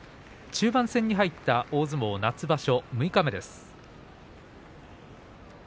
中盤戦に入った大相撲夏場所、六日目です。